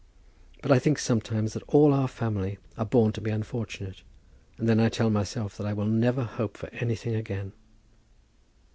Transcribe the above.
But I think sometimes that all our family are born to be unfortunate, and then I tell myself that I will never hope for anything again.